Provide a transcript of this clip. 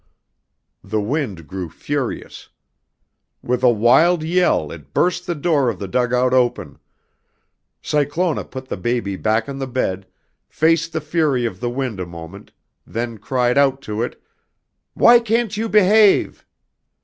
The wind grew furious. With a wild yell it burst the door of the dugout open. Cyclona put the baby back on the bed, faced the fury of the wind a moment, then cried out to it: "Why can't you behave?"